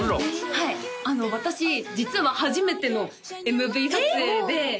はい私実は初めてのＭＶ撮影でえっ！？